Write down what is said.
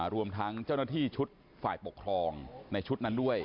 รวมทั้งเจ้าหน้าที่ชุดฝ่ายปกครองในชุดนั้นด้วย